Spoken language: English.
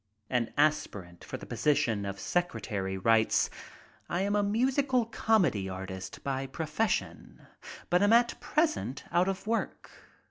An aspirant for the position of secretary writes: "I am I MEET THE IMMORTALS 83 a musical comedy artist by profession, but am at present out of work.